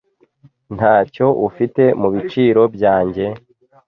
Ntacyo ufite mubiciro byanjye?